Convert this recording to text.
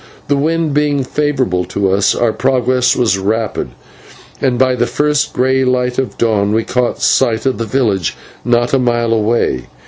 The wind being favourable to us, our progress was rapid, and by the first grey light of dawn we caught sight of the village not a mile away.